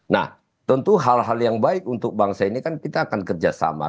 nah tentu hal hal yang baik untuk bangsa ini kan kita akan kerjasama